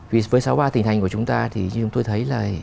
với sáu ba tình hành của chúng ta thì như chúng tôi thấy là